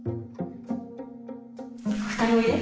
２人おいで。